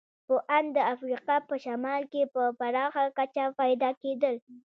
په ان د افریقا په شمال کې په پراخه کچه پیدا کېدل.